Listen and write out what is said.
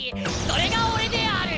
それが俺である！